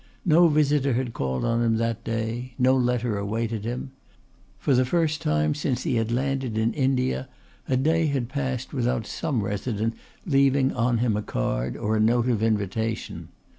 No visitor had called on him that day; no letter awaited him. For the first time since he had landed in India a day had passed without some resident leaving on him a card or a note of invitation.